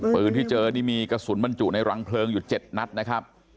ปืนที่เจอนี่มีกระสุนบรรจุในรังเพลิงอยู่๗นัดนะครับ